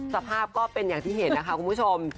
สภาพก็เป็นอย่างที่เห็นนะคะคุณผู้ชม